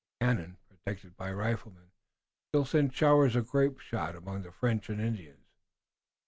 The cannon, protected by the riflemen, still sent showers of grape shot among the French and Indians.